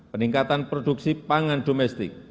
peningkatan produksi pangan domestik